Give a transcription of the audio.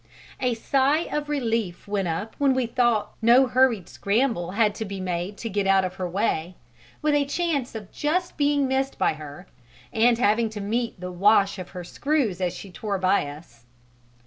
A sigh of relief went up when we thought no hurried scramble had to be made to get out of her way, with a chance of just being missed by her, and having to meet the wash of her screws as she tore by us.